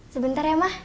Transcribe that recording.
sebentar ya mah